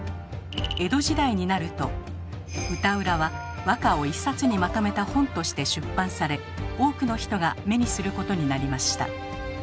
江戸時代になると歌占は和歌を一冊にまとめた本として出版され多くの人が目にすることになりました。